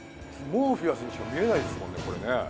モーフィアスにしか見えないですもんね、これね。